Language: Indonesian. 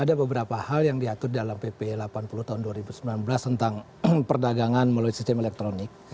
ada beberapa hal yang diatur dalam pp delapan puluh tahun dua ribu sembilan belas tentang perdagangan melalui sistem elektronik